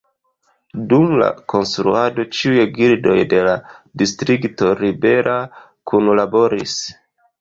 Dum la konstruado ĉiuj gildoj de la distrikto Ribera kunlaboris.